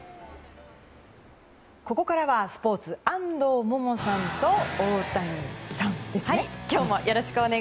ここからはスポーツ安藤萌々さんと大谷さんですね。